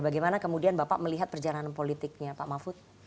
bagaimana kemudian bapak melihat perjalanan politiknya pak mahfud